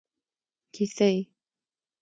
کیسۍ